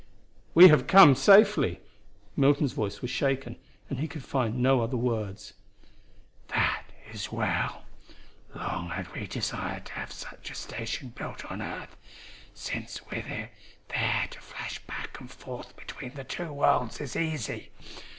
"We have come safely." Milton's voice was shaken and he could find no other words. "That is well. Long had we desired to have such a station built on earth, since with it there to flash back and forth between the two worlds is easy.